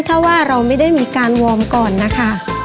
ถ้าว่าเราไม่ได้มีการวอร์มก่อนนะคะ